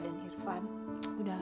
saya ke strategies